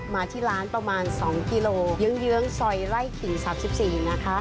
มาที่ร้านประมาณ๒กิโลเยื้องซอยไร่ขิง๓๔นะคะ